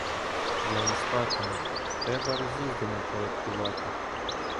Я не спатиму, треба роз'їздами порядкувати.